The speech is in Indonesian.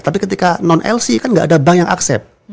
tapi ketika non lc kan nggak ada bank yang aksep